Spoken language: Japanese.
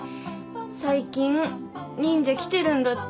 最近忍者きてるんだって。